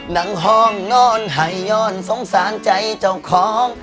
ห้องนอนหายย้อนสงสารใจเจ้าของ